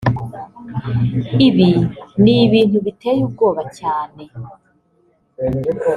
ibi ni ibintu biteye ubwoba cyane